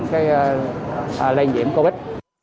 cái lây nhiễm covid